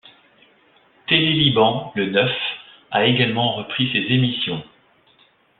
Télé-Liban Le Neuf a également repris ses émissions.